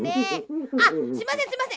あっすいませんすいません。